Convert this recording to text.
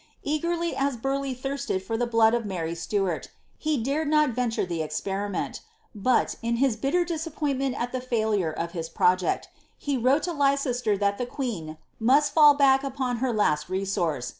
Eagerly as Builetgh thirsted Tor the blood of Mary Stuart, he ikied not veiilure the exjieri ment ; but, in his bitter disappointment at the lailura of his project, he wrote to Leicester that the queen mu«< now fall back upon her laal re anuree.